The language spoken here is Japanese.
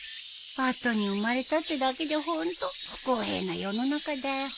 後に生まれたってだけでホント不公平な世の中だよ。